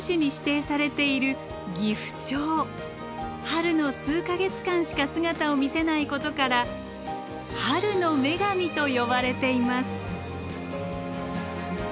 春の数か月間しか姿を見せないことから「春の女神」と呼ばれています。